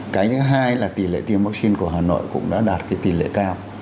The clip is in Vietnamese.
cái thứ hai là tỷ lệ tiêm vaccine của hà nội cũng đã đạt tỷ lệ cao